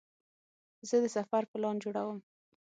زه د سفر پلان جوړوم.